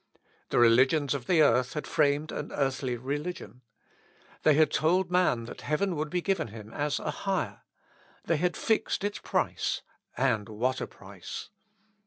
The religions of the earth had framed an earthly religion. They had told man that heaven would be given him as a hire they had fixed its price, and what a price!